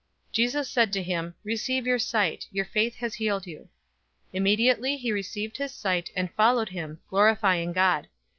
018:042 Jesus said to him, "Receive your sight. Your faith has healed you." 018:043 Immediately he received his sight, and followed him, glorifying God.